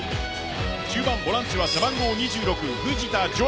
中盤、ボランチは背番号２６・藤田譲